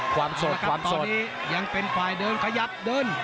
ความสดความสดตอนนี้ยังเป็นควายเดินขยับเดิน